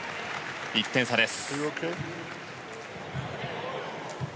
１点差です。